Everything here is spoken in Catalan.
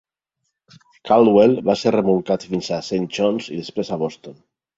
"Caldwell" va ser remolcat fins a Saint John's i després a Boston.